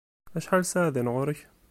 Acḥal ssaɛa din ɣur-k?